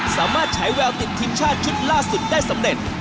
ฉายแววติดทีมชาติชุดล่าสุดได้สำเร็จ